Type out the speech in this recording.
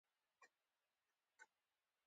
ورزش د بدن غړي پیاوړي کوي.